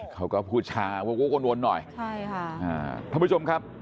เขาก็พูดชาโวนหน่อยท่านผู้ชมครับ